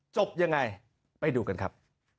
จบยังไงไปดูกันครับ